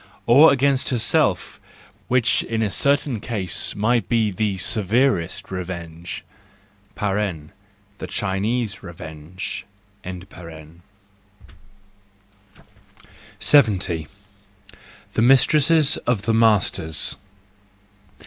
Or against herself; which in a certain case might be the severest revenge (the Chinese revenge). 70. The Mistresses of the Masters